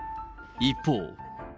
一方。